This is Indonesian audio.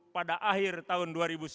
pada akhir tahun dua ribu sembilan belas